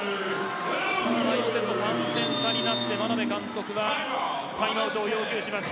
第４セット３点差になって眞鍋監督はタイムアウトを要求します。